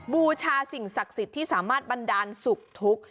บูชาสิ่งศักดิ์สิทธิ์ที่สามารถบันดาลสุขทุกข์